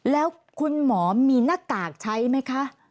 แล้วคุณหมอมีหน้ากากใช้ไหมคะ